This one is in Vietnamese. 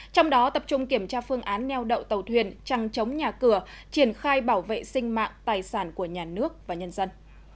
trong đó tập trung kiểm tra phương án neo đậu tàu thuyền trăng chống nhà cửa triển khai bảo vệ sinh mạng tài sản của nhà nước và nhân dân